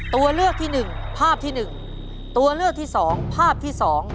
ตัวเลือกที่๑ภาพที่๑